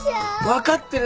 分かってる